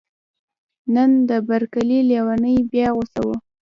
نن د بر کلي لیونی بیا غوسه و